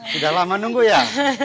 sudah lama nunggu ya